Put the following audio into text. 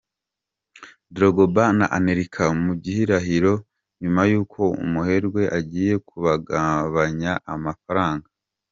Drogba na Anelka mu gihirahiro nyuma y’uko umuherwe agiye kubagabanya amafaranga.